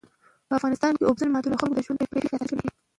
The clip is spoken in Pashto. په افغانستان کې اوبزین معدنونه د خلکو د ژوند په کیفیت تاثیر کوي.